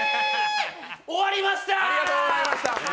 終わりました！